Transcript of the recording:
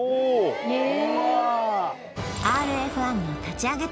ＲＦ１の立ち上げ